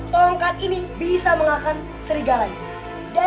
tongkat ini bisa mengakan serigala itu